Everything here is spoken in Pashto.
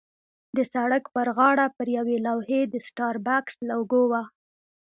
د سړک پر غاړه پر یوې لوحې د سټاربکس لوګو وه.